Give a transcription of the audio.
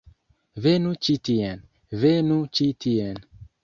Venu ĉi tien. Venu ĉi tien.